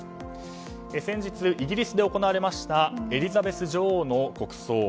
先日イギリスで行われましたエリザベス女王の国葬。